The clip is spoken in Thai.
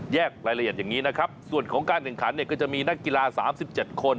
รายละเอียดอย่างนี้นะครับส่วนของการแข่งขันเนี่ยก็จะมีนักกีฬา๓๗คน